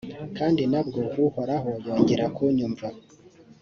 kandi na bwo uhoraho yongera kunyumva;